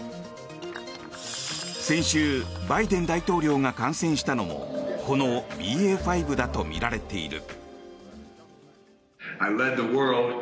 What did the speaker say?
先週、バイデン大統領が感染したのもこのＢＡ．５だとみられている。